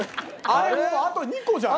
もうあと２個じゃん。